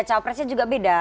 capresnya juga beda